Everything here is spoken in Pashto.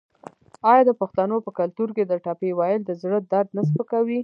آیا د پښتنو په کلتور کې د ټپې ویل د زړه درد نه سپکوي؟